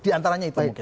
di antaranya itu mungkin